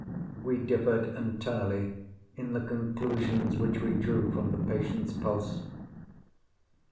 We differed entirely in the conclusions which we drew from the patient's pulse.